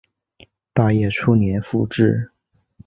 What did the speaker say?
大业初年复置。